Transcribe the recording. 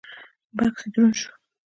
بکس يې دروند شو.